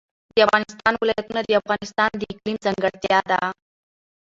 د افغانستان ولايتونه د افغانستان د اقلیم ځانګړتیا ده.